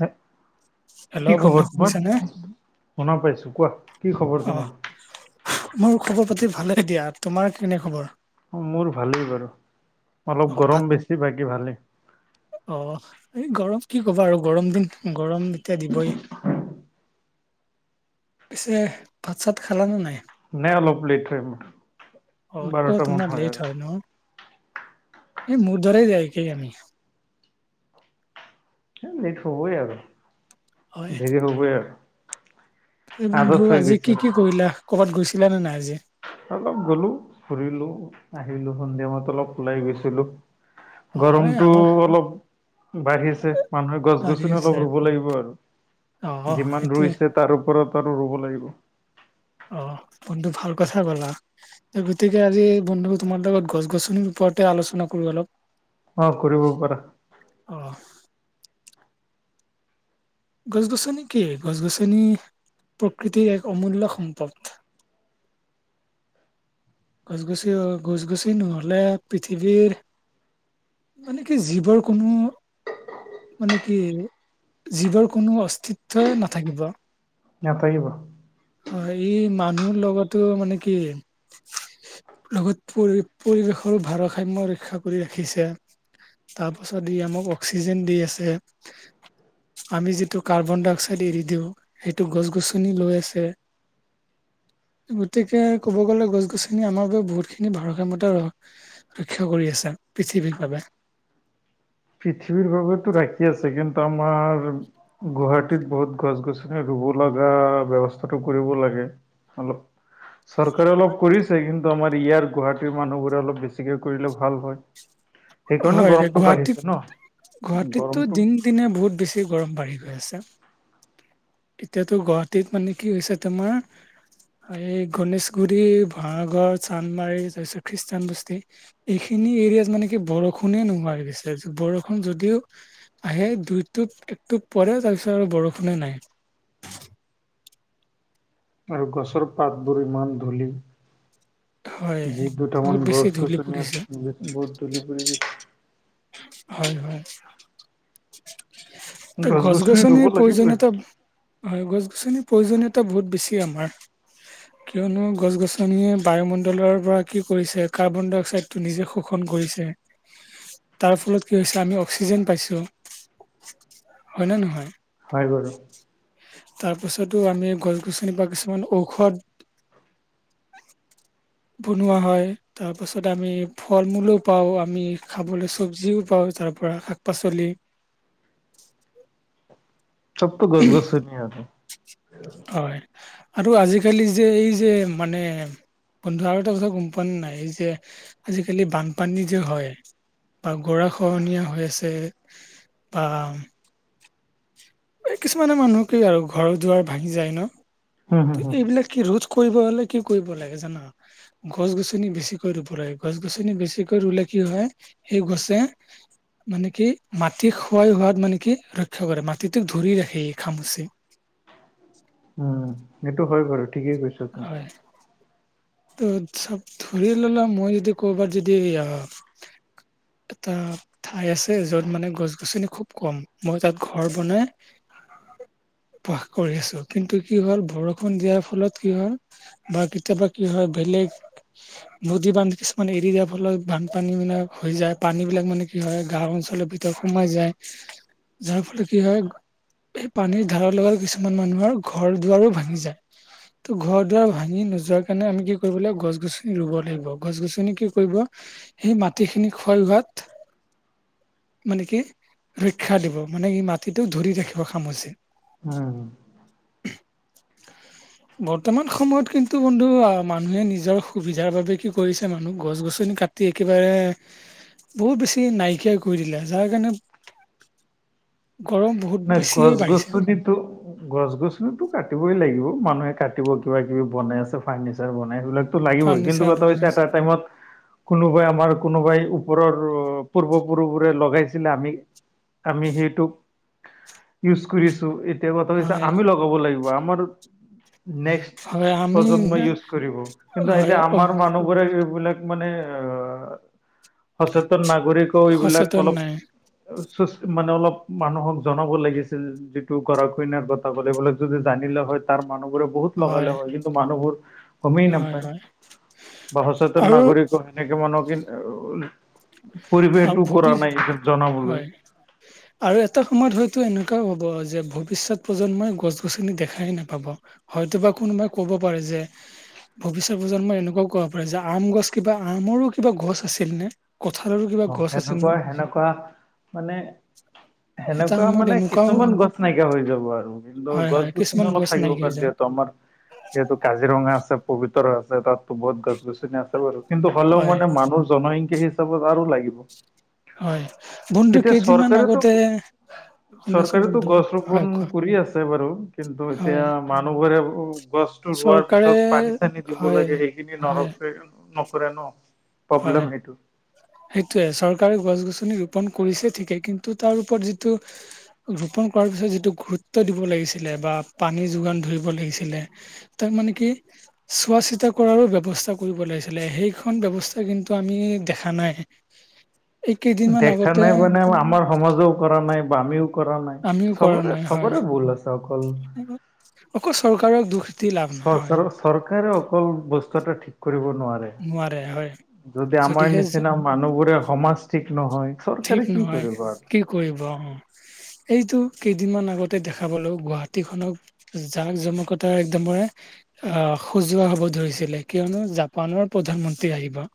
হয়, হেল্ল' কি বন্ধু খবৰ তোমাৰ? শুনিছানে? শুনা পাইছোঁ, কোৱা কি খবৰ তোমাৰ? ফু', মোৰ খবৰ পাতি ভালে দিয়া, তোমাৰ কেনে খবৰ? অ', মোৰ ভালেই বাৰু অলপ অ' ভাত গৰম বেছি বাকি ভালেই', অ', এই গৰম কি ক'বা আৰু গৰম দিন গৰম এতিয়া দিবই', পিছে ভাত চাত খালা নে নাই? নাই অলপ লেট হয় মোৰ', অ', - অ', বাৰটা মান তোমাৰ লেট আৰু হয় ন, এই মোৰ দৰে যায় একেই আমি', এই, লেট হ'বই আৰু হয়। দেৰি হ'বই আৰু', কি আদত বন্ধু হৈ আজি গৈছে কি আৰু কি কৰিলা ক'ৰবাত গৈছিলা নে নাই আজি? অলপ গ'লো ফুৰিলোঁ আহিলোঁ সন্ধিয়া সময়ত অলপ ওলাই গৈছিলোঁ', অ' এই গৰমটো আমাৰ অলপ বাঢ়িছে', মানুহে গছ গাড়ী গছনি আছে। অলপ ৰুব লাগিব আৰু অ' অ, যিমান সেইটোৱে। ৰুইছে', তাৰ ওপৰত আৰু ৰুব লাগিব', অ', তুমিটো ভাল কথায় ক'লা। গতিকে আজি বন্ধু তোমাৰ লগত গছ গছনিৰ ওপতে আলোচনা কৰো অলপ', অ', কৰিব পাৰা', অহ', গছ -গছনি কি, গছ- গছনি প্ৰকৃতিৰ এক অমূল্য সম্পদ। গছ গছ, অ গছ- গছনি নহলে পৃথিৱীৰ মানে কি জীৱৰ কোনো মানে কি, জীৱৰ কোনো অস্তিত্বই নাথাকিব নাথাকিব। হয় ই মানুহ লগতো মানে কি লগত পৰি -পৰিবেশৰো ভাৰসাম্যৰ ৰক্ষা কৰি ৰাখিছে তাৰ পাছত ই আমাক অক্সিজেন দি আছে, আমি যিটো কাৰ্বন -ডাই -অক্সাইড এৰি দিওঁ সেইটো গছ-গছনি লৈ আছে, গতিকে কব গলে গছ -গ ছনিয়ে আমাৰ বাবে বহুতখিনি ভাৰসাম্যতা ৰক্ষা কৰি আছে পৃথিৱীৰ বাবে। পৃথিৱীৰ বাবেতো ৰাখি আছে, কিন্তু আমাৰ গুৱাহাটীত বহুত গছ -গছনি ৰুব লগা ব্যৱস্থাটো কৰিব লাগে। অলপ চৰকাৰে অলপ কৰিছে, কিন্তু আমাৰ ইয়াৰ গুৱাহাটীৰ মানুহবোৰে অলপ বেছিকে কৰিলে ভাল হয়। সেইকাৰণে গৰমতটো বাঢ়িছে। ন গুৱাহাটীতো গৰমটো দিন -দিনে বহুত বেছি গৰম বাঢ়ি গৈ আছে। এতিয়াতো গুৱাহাটীত মানে কি হৈছে তোমাৰ এই গণেশগুৰি, ভাঙাঘৰ, চান্দমাৰী তাৰপিছত খ্ৰীষ্টান বস্তী এইখিনি এৰিয়াত মানে কি বৰষুণে নোহোৱা হৈ গৈছে, বৰষুণ যদিও আহে দুইটোপ একটোপ পৰে তাৰপিছত আৰু বৰষুণে নাই। আৰু গছৰ পাতবোৰ ইমান ধূলি হয়। যি দুটামান বহুত বেছি গছ ধূলি গছনি আছে পৰিছে। বৰ ধূলি বালি হয়, হয়। ত গছ গছনি ৰুব গছ-গছনিৰ লাগিবই প্ৰয়োজনীয়তা হয় গছ গছনিৰ প্ৰয়োজনীয়তা বহুত বেছি আমাৰ। কিয়নো গছ গছনিয়ে বায়ুমণ্ডলৰ পৰা কি কৰিছে, কাৰ্বন- ডাই -অক্সাইডটো নিজে শোষণ কৰিছে। তাৰ ফলত কি হৈছে আমি অক্সিজেন পাইছো। হয় নে নহয়? হয় বাৰু। তাৰপিছতো আমি গছ- গছনিৰ পৰা কিছুমান ঔষধ বনোৱা হয়। তাৰপাছত আমি ফল মূলো পাওঁ, আমি খাবলৈ চবজিও পাওঁ তাৰ পৰা শাক পাচলি চবতো গছ -গছনিয়ে আনে। হয়, আৰু আজিকালি যে এই যে মানে বন্ধু আৰু এটা কথা গম পোৱা নে নাই, এই যে আজিকালি বানপানী যে হয়, বা গৰা খহনীয়া হৈ আছে আ কিছুমানে মানুহকেই আৰু ঘৰ -দুৱাৰ ভাঙি যায় ন উম হম ত হম এইবিলাক কি ৰোধ কৰিব হ'লে কি কৰিব লাগে জানা? গছ- গছনি বেছিকৈ ৰুব লাগে, গছ -গছনি বেছিকৈ ৰুলে কি হয়, সেই গছে মানে কি মাটি ক্ষয় হোৱাত মানে কি ৰক্ষা কৰে, মাটিটোক ধৰি ৰাখে এই খামুচি। উম। সেইটো হয় বাৰু ঠিকেই কৈছ হয়। ত চব ধৰি ললা মই যদি কৰ'বাত যদি এটা ঠাই আছে যত মানে গছ -গছনি খুব কম, মই তাত ঘৰ বনাই বাস কৰি আছোঁ কিন্তু কি হ'ল বৰষুণ দিয়াৰ ফলত কি হল, বা কেতিয়াবা কি হয় বেলেগ নদী বান্ধ কিছুমান এৰি দিয়াৰ ফলত বানপানী বিলাক হৈ যায় পানী বিলাক মানে কি হয় গাওঁ অঞ্চলৰ ভিতৰত সোমাই যায়, যাৰ ফলত কি হয় এই পানীৰ ধাৰৰ লগত কিছুমান মানুহৰ ঘৰ দুৱাৰো ভাঙি যায়। ত' ঘৰ দুৱাৰ ভাঙি নোযোৱাৰ কাৰণে আমি কি কৰিব লাগিব গছ গছনি ৰুব লাগিব, গছ গছনি কি কৰিব সেই মাটিখিনি ক্ষয় হোৱাত মানে কি, ৰক্ষা দিব, মানে কি মাটিটো ধৰি ৰাখিব খামুচি। উম, বৰ্তমান সময়ত কিন্তু বন্ধু আহ মানুহে নিজৰ সুবিধাৰ বাবে কি কৰিছে মানুহ গছ গছনি কাট টি একেবাৰে, বহুত বেছি নাইকিয়া কৰি দিলে যাৰ কাৰণে গৰম। বহুত নাই, বেছিয়ে গছ বাঢ়িছে গছনিটো গছ গছনিটো কাটিবই লাগিব মানুহে কাটিব কিবা কিবি বনাই আছে ফাৰ্নিচাৰ বনাই সেইবিলাক টো লাগিবই, কিন্তু ফাৰ্ণিচাৰ কথা হৈছে বনাই এটা টাইমত কোনোবাই আমাৰ কোনোবাই ওপৰৰ, পূৰ্বপুৰুবোৰে লগাইছিলে, আমি আমি সেইটোক। ইউজ কৰিছোঁ এতিয়া কথা হৈছে হয় আমি লগাব লাগিব, আমাৰ নেক্সট, হয় আমি প্ৰজন্মৰ ইউচ কৰিব, কিন্তু হয় এতিয়া অ আমাৰ মানুহ [unintelligible] এইবিলাক মানে অ সচেতন নাগৰিকও এইবিলাক সচেতন অলপ, নাই চুচ মানে অলপ মানুহক জনাব লাগিছিল, যিটো গৰত কৰা কইনাৰ কথা পাতিবলে যদি জানিলো হয় তাৰ মানুহবোৰে বহুত লগালে হয় কিন্তু মানুহবোৰ, গমেই হয় নাপায়, হয় বা সচেতন আৰু নাগৰিক ত' সেনেকে মানুহ কি, আৰু পৰিৱেশটো কৰা ভৱি নাই এই জনাবলৈ। হয় আৰু এটা সময়ত হয়তো এনেকুৱাও হ'ব যে ভৱিষ্যত প্ৰজন্মই গছ গছনি দেখাই নাপাব। হয়তো বা কোনোবাই ক'ব পাৰে যে ভৱিষ্যত প্ৰজন্মই এনেকুৱাও ক'ব পাৰে যে আম গছ কিবা, আমৰো কিবা গছ আছিল নে? কঁঠালৰো কিবা অ', গছ আছিল নে সেনেকুৱা, সেনেকুৱা মানে- এটা সেনেকুৱা সময়ত মানে এনেকুৱাও কিছুমান গছ নাইকিয়া হৈ যাব আৰু, কিন্তু হয় গছ হয় কিছুমান গছনি গছ অলপ থাকিব নাইকিয়া হৈ যাওঁ কাৰ্যত ত' আমাৰ যিহেতু কাজিৰঙা আছে পবিতৰা আছে তাত বহুত গছ গছনি আছে বাৰু, কিন্তু হ'লেও হয় মানে মানুহ জনসংখ্যা হিচাপত আৰু লাগিব। হয় বন্ধু এতিয়া কেইদিনমান চৰকাৰেতো, আগতে শুনাচোন চৰকাৰেতো বন্ধু গছ ৰোপন হয় কোৱা কৰি আ ছে বাৰু কিন্তু এতিয়া হয় মানুহৰে গছটো ৰোৱাৰ চৰকাৰে পিছত পানী পানী দিব হয় লাগে সেইখিনি হয় নৰকে নকৰে ন'? হয়, প্ৰব্লেম সেইটো সেইটোৱে, চৰকাৰে গছ গছনি ৰোপন কৰিছে ঠিকেই কিন্তু তাৰ ওপৰত যিটো ৰোপন কৰাৰ পিছত যিটো গুৰুত্ব দিব লাগিছিলে বা পানী যোগান ধৰিব লাগিছিলে। তাৰমানে কি চোৱা চিতা কৰাৰো ব্যৱস্থা কৰিব লাগিছিলে সেইখন ব্যৱস তে কিন্তু আমি, দেখা নাই। এই কেইদিনমান দেখা আগতে নাই মানে আমাৰ সমাজও কৰা নাই বা আমিও কৰা নাই, আমিও কৰা চবৰে নাই হয় চবৰে ভুল আছে, অকল অকল চৰকাৰক দুখ দি লাভ নাই, হয়। চৰকাৰৰ চৰকাৰে অকল বস্তুটো ঠিক কৰিব নোৱাৰে, নোৱাৰে হয় যদি আমাৰ যদিহে যে নিচিনা মানুহবোৰে সমাজ ঠিক নহয়। চৰকাৰে ঠিক কি নহয়, কৰিব কি আৰু কৰিবা অ, এইটো কেইদিনমান আগতে দেখা পালোঁ গুৱাহাটীখনক জাক জমকতাৰ একদমৰে আহ সজোৱা হ'ব ধৰিছিলে কিয়নো জাপানৰ প্ৰধানমন্ত্ৰী আহিব।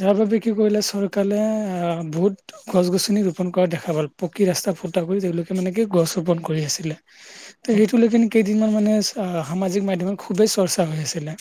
যাৰ বাবে কি কৰিলে চৰকাৰে, আহ বহুত গছ গছনি ৰোপণ কৰা দেখা পালোঁ, পকী ৰাস্তা ফুটা কৰি তেওঁলোকে মানে কি গছ ৰোপণ কৰি আছিলে। ত' সেইটো লেকিন কেইদিনমান মানে আহ সামাজিক মাধ্যমত খুবেই চৰ্চা হৈ আছিলে।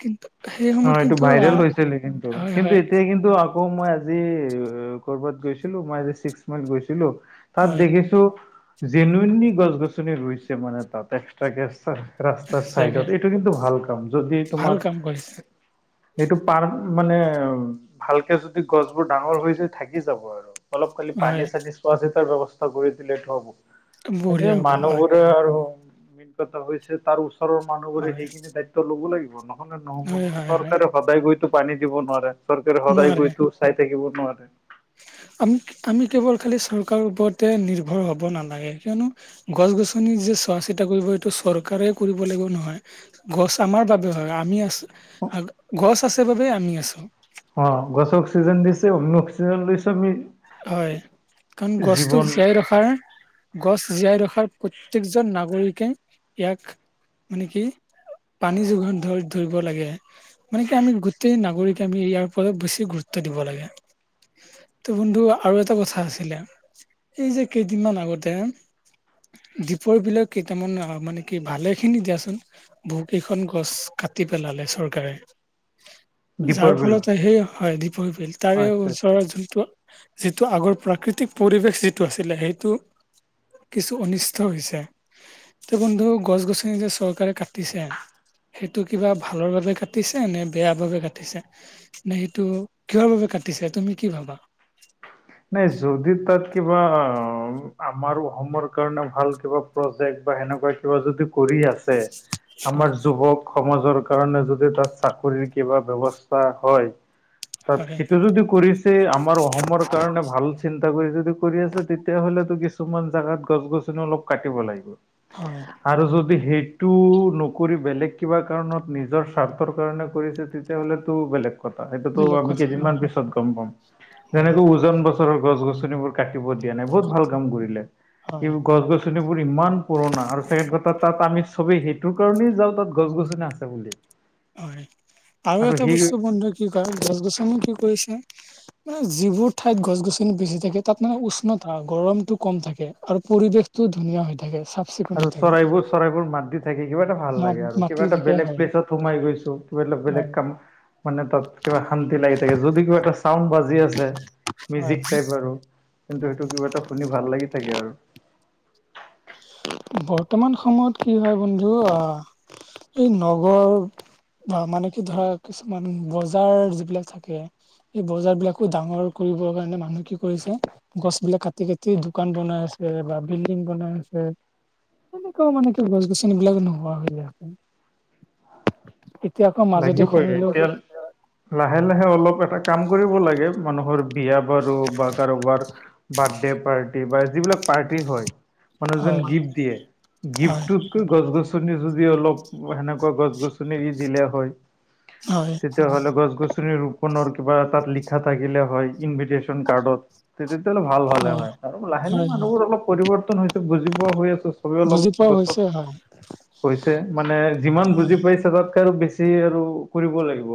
কিন্তু সেই সময়ত অ', এইটো কিন্তু ভাইৰেল আহ হৈছিলে কিন্তু, হয় কিন্তু হয় এতিয়া কিন্তু আ কৌ মই আজি, কৰ'বাত গৈছিলোঁ মই আজি ছিক্সমাইল গৈছিলোঁ। তাত হয় দেখিছোঁ, জেনুউনলি গছ গছনি ৰুইছে মানে তাত এক্সট্ৰা কে ৰাস্তাৰ চাগে চাইডত, এইটো কিন্তু ভাল কাম যদি তোমাৰ গছ। সেইটো পাৰ, মানে ভালকে যদি গছবোৰ ডাঙৰ হৈ যায় থাকি যাব আৰু। অলপ খালি পানী হয় চানি চোৱা-চিতাৰ ব্যৱস্থা কৰি দিলেইটো হ'ব। সেইটোৱে বঢ়িয়া হ'ব হয় মানুহবোৰে আৰু। [unintelligible] হৈছে তাৰ ওচৰৰ মানুহবোৰে হয় সেইখিনি দায়িত্ব ল'ব লাগিব নহ'লে নহ'ব হয় নহয়, হয় হয় চৰকাৰে সদায় গৈতো পানী দিব নোৱাৰে, চৰকাৰে সদায় নোৱাৰে গৈতো চাই থাকিব নোৱাৰে। আমি-আমি কেৱল খালি চৰকাৰৰ ওপৰতে নিৰ্ভৰ হ'ব নালাগে, কিয়নো গছ গছনি যে চোৱা-চিতা কৰিব, সেইটো চৰকাৰে কৰিব লাগিব বুলি নহয়। গছ আমাৰ বাবে হয় আমি আছোঁ, আ গছ আছে বাবেই আমি আছোঁ। অ', গছে অক্সিজেন দিছে অন্য অক্সিজেন লৈছোঁ আমি। হয়, কাৰণ গছটোক জীৱন জীয়াই ৰখাৰ গছ জীয়াই ৰখাৰ প্ৰত্যেকজন নাগৰিকে, ইয়াক, মানে কি পানী যোগান ধৰি ধৰিব লাগে। মানে কি আমি গোটেই নাগৰিকে আমি ইয়াৰ ওপৰত বেছি গুৰুত্ব দিব লাগে। ত বন্ধু আৰু এটা কথা আছিলে, এই যে কেইদিনমান আগতে দীপৰ বিলত কেইটামান অ, মানে কি ভালে খিনি দিয়াচোন। বহুকেইখন গছ কাটি পেলালে চৰকাৰে। দ্বীপৰ যাৰ বিলৰ ফলত, সেই হয় দীপৰ বিল, তাৰে আচ্ছা আচ্ছা ওচৰৰ যোনটো যিটো আগৰ প্ৰাকৃতিক পৰিৱেশ যিটো আছিলে, সেইটো কিছু অনিষ্ট হৈছে, ত' বন্ধু গছ গছনি যে চৰকাৰে কাটিছে। সেইটো কিবা ভালৰ বাবে কাটিছে নে বেয়া বাবে কাটিছে? নে সেইটো, কিহৰ বাবে কাটিছে তুমি কি ভাবা? নাই, যদি তাত কিবা অ, আমাৰ অসমৰ কাৰণে ভাল কিবা প্ৰজেক্ট বা সেনেকুৱা কিবা যদি কৰি আছে, হয় আমাৰ যুৱক সমাজৰ কাৰণে যদি তাত চাকৰিৰ কিবা ব্যৱস্থা হয়। তাত হয় সেইটো যদি কৰিছে, আমাৰ অহমৰ কাৰণে ভাল চিন্তা কৰি যদি কৰি আছে তেতিয়াহ'লেটো কিছুমান জাগাত গছ গছনি অলপ কাটিব লাগিব। হয়, আৰু যদি সেইটো নকৰি বেলেগ কিবা কাৰণত নিজৰ স্বাৰ্থৰ কাৰণে কৰিছে তে তেতিয়াহ'লেটো বেলেগ। কথা সেইটোতো বেলেগ আমি কথা কেইদিনমান নহয় পিছত গম পাম, হয় যেনেকৈ উজান বজাৰৰ গছ গছনিবোৰ। কাটিব দিয়া নাই, বহুত ভাল কাম কৰিলে, হয় গছ গছ গছনিবোৰ ইমান পুৰণা, আৰু চাগে তাত তাত আমি চবেই সেইটোৰ কাৰণেই যাওঁ তাত গছ গছনি আছে বুলি। [unintelligible] হয়, আৰু এটা বস্তু বন্ধু কি কয় গছ গছনি কি কৰিছে এ যিবোৰ ঠাইত গছ গছনি বেছি থাকে তাত মানে উষ্ণতা, গৰমটো কম থাকে আৰু পৰিৱেশ টো ধুনীয়া হৈ থাকে, চা আৰু চৰাইবোৰ-চৰাইবোৰ মাত দি থাকি কিবা এটা ভাল মা লাগে আৰু মাটি কিবা এটা থাকে বেলেগ হয় প্লেছত সোমাই গৈছো কিবা এটা বেলেগ হয় কাম মানে, তাত কিবা শান্তি লাগি থাকে যদি কিবা এটা চাউণ্ড বাজি আছে হয় মিউজিক টাইপ আৰু, কিন্তু সেইটো কিবা এটা শুনি ভাল লাগি থাকে আৰু। বৰ্তমান সময়ত কি হয় বন্ধু, আহ এই নগৰ বা মানে কি ধৰা কিছুমান, বজাৰ যিবিলাক থাকে। এই বজাৰ বিলাকো ডাঙৰ কৰিবৰ কাৰণে মানুহ কি কৰিছে গছবিলাক কাটি কাটি দোকান বনাই আছে বা বিল্ডিং বনাই আছে। হে তেনেকুৱাও মানে কি গছ গছনিবিলাক নোহোৱা হৈ আছে। এতিয়া আকৌ মাজতে লাগিবই শুনিলো এতিয়া লাহে লাহে অলপ এটা কাম কৰিব লাগে মানুহৰ বিয়া বাৰু বা কাৰোবাৰ বাৰ্ডে পাৰ্টি বা যিবিলাক পাৰ্টি হয় মানুহজন হয় গিফ্ট দিয়ে হয় গিফ্টটোত গছ গছনি যদি অলপ সেনেকুৱা গছ গছনি এৰি দিলে হয়। হয় তেতি- হলে গছ গছনি ৰুপনৰ কিবা তাত লিখা থাকিলে হয় ইনভিটেশচন কাৰ্ডত। তে তেতিয়াহ'লে ভাল হ'লে হয় আৰু লাহে লাহে হয় হয় মানুহবোৰ অলপ পৰিৱৰ্তন হৈছে বুজি পোৱা হৈ আছে ছবে অলপ। [unintelligible] হৈছে হয়। কৈছে মানে যিমান বুজি হয় পাইছে তাতকে আৰু বেছ- তে আৰু কৰিব লাগিব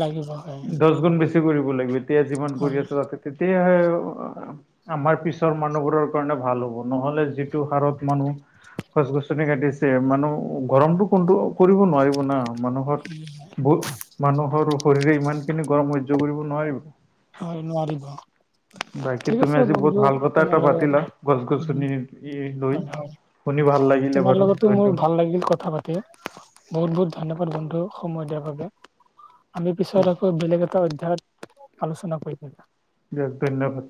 লাগিব হয় দচ গুন বেছি কৰিব লাগিব। গোটেই জীৱন হয় কৰি আছো বাপেকে যেতিয়া হয় আ আমাৰ পিছৰ মানুহবোৰৰ কাৰণে ভাল হ'ব নহলে যিটো হাৰত মানুহ। গছ গছনি কাটিছে মানুহ গৰমটো কোনতো কৰিব নোৱাৰিব নোৱাৰিব না মানুহৰ। [unintelligible] ব মানুহৰ শৰীৰে ইমানখিনি গৰম সহ্য কৰিব নোৱাৰিব। হয় নোৱাৰিব। বাকী ঠিক তুমি আছে আজি বহুত বন্ধু ভাল কথা তোমাৰ এটা লগত পাতিলা গছ উম, গছনি ই লৈ। হয় হয় শুনি ভাল লাগিলে তোমাৰ বাৰু লগতো মোৰ ধন্যবাদ ভাল লাগিল কথা পাত- তে বহুত বহুত ধন্যবাদ বন্ধু সময় দিয়াৰ বাবে আমি পিছত আকৌ বেলেগ এটা অধ্যয়ায়ত আলোচনা কৰিম এটা। দিয়ক ধন্যবাদ।